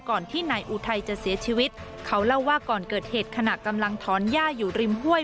ก่อนที่นายอุทัยจะเสียชีวิตเขาเล่าว่าก่อนเกิดเหตุขณะกำลังถอนย่าอยู่ริมห้วย